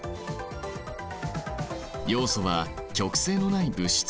ヨウ素は極性のない物質。